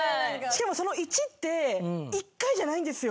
しかもその１って１回じゃないんですよ。